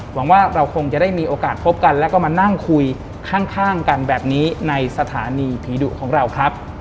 หวังว่าเราคงจะได้มีโอกาสพบกันแล้วก็มานั่งคุยข้างกันแบบนี้ในสถานีผีดุของเราครับ